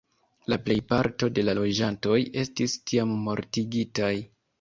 La plejparto de la loĝantoj estis tiam mortigitaj.